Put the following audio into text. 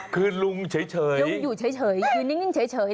คือลุงเฉยอยู่เฉยนิ่งเฉย